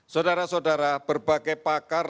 saudara saudara berbagai pakar